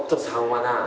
「３はなあ」